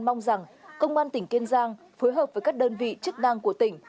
mong rằng công an tỉnh kiên giang phối hợp với các đơn vị chức năng của tỉnh